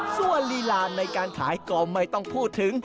ส่วนลีลาในการขายก็ไม่ต้องพูดถึง